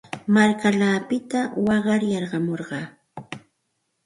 Markallaapita waqar yarqamurqaa.